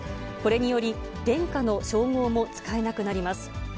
これにより、殿下の称号も使えなくなります。